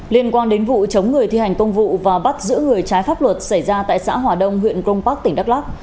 liên quan đến vụ chống người thi hành công vụ và bắt giữ người trái pháp luật xảy ra tại xã hòa đông huyện grong park tỉnh đắk lắc